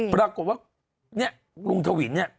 ปรากฏว่าเนี่ยลุงทวินเนี่ย